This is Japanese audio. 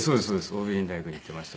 桜美林大学に行ってました。